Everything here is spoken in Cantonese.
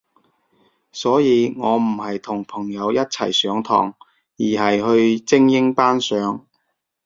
所以我唔係同朋友一齊上堂，而係去精英班上